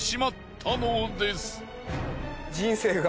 人生が。